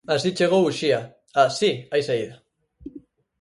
Así chegou Uxía a 'Si, hai saída'.